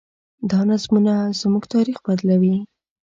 دا نظمونه زموږ تاریخ بدلوي.